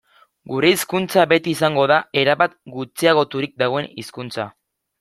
Gure hizkuntza beti izango da erabat gutxiagoturik dagoen hizkuntza.